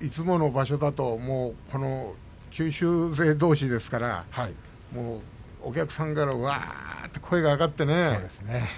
いつもの場所だと九州勢どうしですからお客さんから、うわー！と声が上がってね